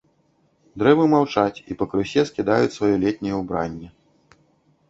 Дрэвы маўчаць і пакрысе скідаюць сваё летняе ўбранне.